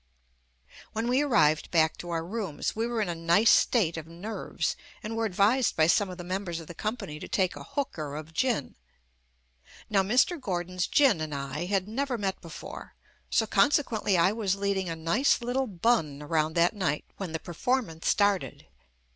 When we arrived back to our rooms we were in a nice state of nerves, and were advised by some of the members of the company to take a "hooker" of gin. Now Mr. Gordon's gin and I had never met before, so consequently I was leading a nice little "bun" around that night when the performance started.